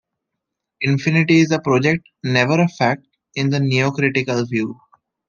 Infinity is a project, never a fact, in the neocritical view.